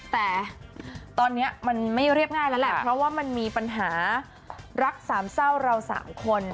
แต่ตอนนี้มันไม่เรียบง่ายแล้วแหละเพราะว่ามันมีปัญหารักสามเศร้าเราสามคน